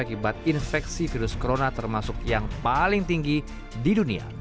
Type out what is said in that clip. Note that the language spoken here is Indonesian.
akibat infeksi virus corona termasuk yang paling tinggi di dunia